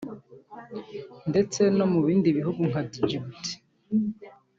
ndetse no mu bindi bihugu nka Djibouti